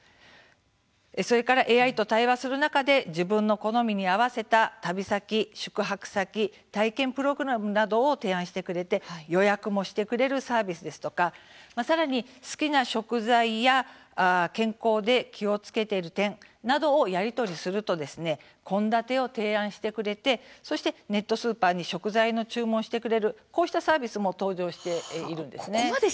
それからＡＩと対話する中で自分の好みに合わせた旅先、宿泊先体験プログラムなどを提案してくれて予約もしてくれるサービスですとかさらに好きな食材や健康で気をつけている点などをやり取りすると献立を提案してくれてそしてネットスーパーで食材の注文もしてくれるこうしたサービスも登場しているんです。